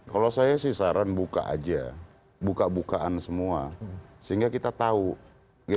kalau saya sih saran buka aja buka bukaan semua sehingga kita tahu